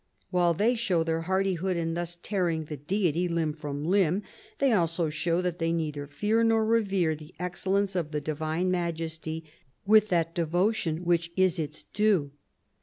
While they show their hardihood in thus tearing the Deity 4imb from limb, they also show that they neither fear nor revere the excellence of the Divine majesty with that devotion which is its due.